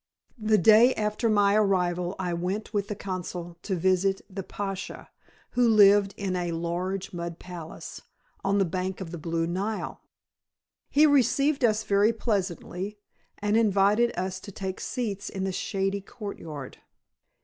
The day after my arrival I went with the consul to visit the pacha, who lived in a large mud palace on the bank of the Blue Nile. He received us very pleasantly, and invited us to take seats in the shady court yard.